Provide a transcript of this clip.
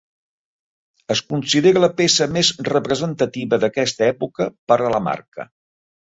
Es considera la peça més representativa d'aquesta època per a la marca.